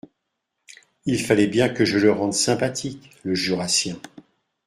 Il fallait bien que je le rende sympathique, le Jurassien.